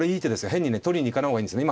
変にね取りに行かない方がいいんですね。